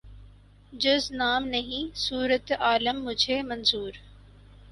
جز نام نہیں صورت عالم مجھے منظور